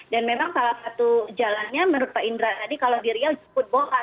dan memang salah satu jalannya menurut pak indra tadi kalau di riau jeput boha